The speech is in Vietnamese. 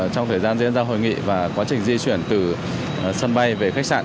trong thời gian diễn ra hội nghị và quá trình di chuyển từ sân bay về khách sạn